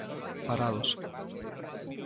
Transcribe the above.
Parados.